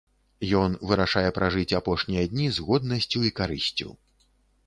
Ён вырашае пражыць апошнія дні з годнасцю і карысцю.